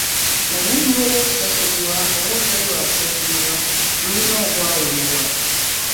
Oluwummula olw'okusasulibwa oba olutali lwa kusasulibwa lulina okwawulibwa.